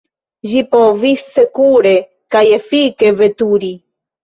Ĝi povis sekure kaj efike veturi.